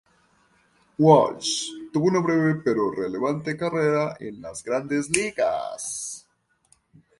Walsh tuvo una breve pero relevante carrera en las Grandes Ligas.